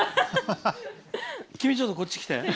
君、ちょっとこっち来て。